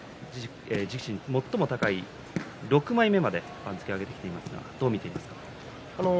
自身、最も高い６枚目まで番付を上げてきていますがどう見ていますか？